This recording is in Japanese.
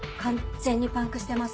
全にパンクしてます。